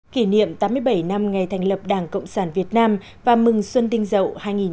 kỷ niệm tám mươi bảy năm ngày thành lập đảng cộng sản việt nam và mừng xuân tinh dậu hai nghìn hai mươi